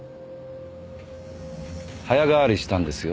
早変わりしたんですよ